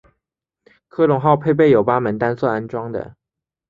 科隆号配备有八门单座安装的。